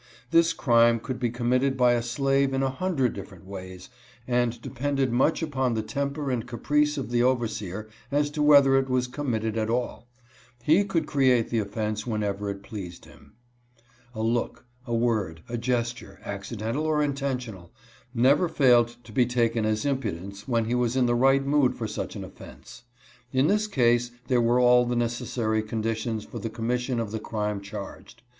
This crime could be committed by a slave in a hundred different ways, and depended much upon the temper and caprice of the overseer as to whether it was committed at all. He could create the 58 CHILDEEN SEEING THEIK MOTHER WHIPPED. offense whenever it pleased him. A look, a word, a ges ture, accidental or intentional, never failed to be taken as impudence when he was in the right mood for such an offense. In this case there were all the necessary condi tions for the commission of the crime charged.